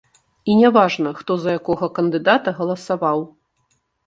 І не важна, хто за якога кандыдата галасаваў.